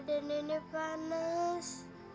badan ini panas